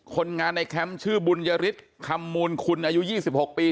คนงานในแคมป์ชื่อบุญยฤทธิ์คำมูลคุณอายุ๒๖ปี